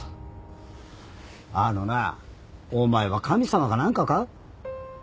あのなぁお前は神様か何かか？